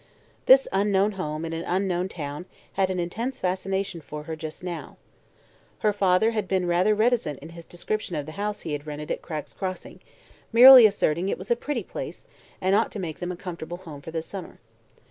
This unknown home in an unknown town had an intense fascination for her just now. Her grandfather had been rather reticent in his description of the house he had rented at Cragg's Crossing, merely asserting it was a "pretty place" and ought to make them a comfortable home for the summer.